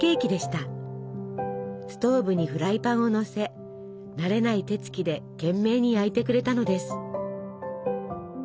ストーブにフライパンをのせ慣れない手つきで懸命に焼いてくれたのです。